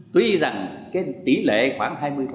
tuy rằng cái tỷ lệ khoảng hai mươi